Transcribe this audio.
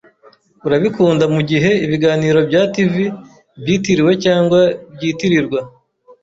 Urabikunda mugihe ibiganiro bya TV byitiriwe cyangwa byitirirwa?